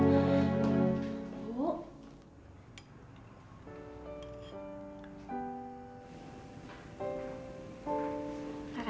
saya mau tidur